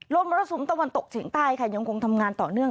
มรสุมตะวันตกเฉียงใต้ค่ะยังคงทำงานต่อเนื่อง